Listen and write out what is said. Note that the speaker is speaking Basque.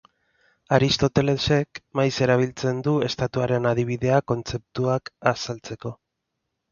Aristotelesek maiz erabiltzen du estatuaren adibidea kontzeptuak azaltzeko.